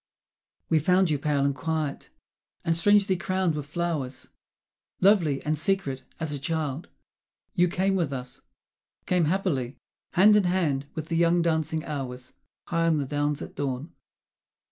(We found you pale and quiet, and strangely crowned with flowers, Lovely and secret as a child. You came with us, Came happily, hand in hand with the young dancing hours, High on the downs at dawn!)